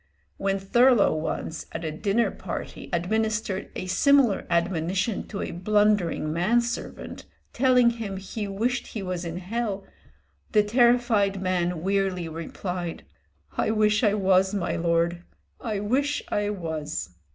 When Thurlow once at a dinner party administered a similar admonition to a blundering man servant, telling him he wished he was in hell, the terrified man wearily replied, "I wish I was, my lord! I wish I was."